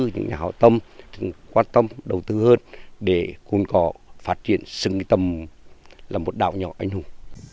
những nhà hào tâm quan tâm đầu tư hơn để cồn cỏ phát triển sự nghĩa tâm là một đảo nhỏ anh hùng